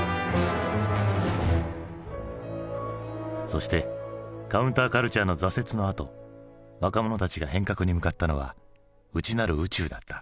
そしてカウンターカルチャーの挫折のあと若者たちが変革に向かったのは内なる宇宙だった。